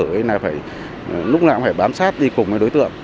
lúc nào cũng phải bám sát đi cùng với đối tượng